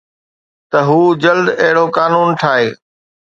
ته هو جلد اهڙو قانون ٺاهي